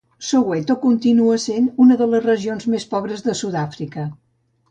Soweto continua sent una de les regions més pobres de Sud-àfrica.